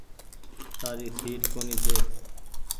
تآري سيٽ ڪونيٚ ڇي۔